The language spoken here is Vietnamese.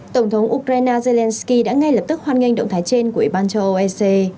tổng thống ukraine zelenskyy đã ngay lập tức hoan nghênh động thái trên của ủy ban châu âu ec